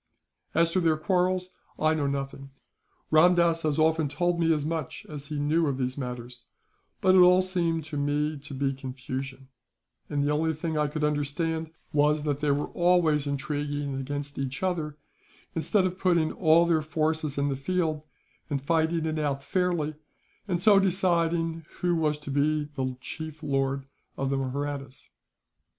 "As to their quarrels, I know nothing. Ramdass has often told me as much as he knew of these matters, but it all seemed to me to be confusion; and the only thing I could understand was that they were always intriguing against each other, instead of putting all their forces in the field, and fighting it out fairly, and so deciding who was to be the chief lord of the Mahrattas."